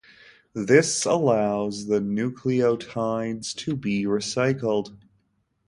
This allows the nucleotides to be recycled.